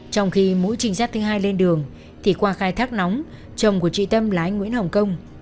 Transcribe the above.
trong khi mũi trinh sát thứ hai lên đường thì qua khai thác nóng chồng của chị tâm là anh nguyễn hồng công